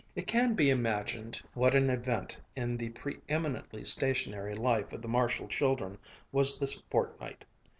It can be imagined what an event in the pre eminently stationary life of the Marshall children was this fortnight.